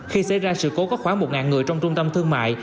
khi xảy ra sự cố có khoảng một người trong trung tâm thương mại